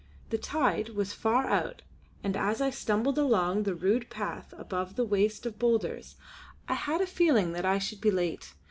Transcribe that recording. The tide was far out and as I stumbled along the rude path above the waste of boulders I had a feeling that I should be late.